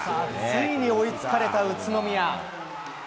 ついに追いつかれた宇都宮。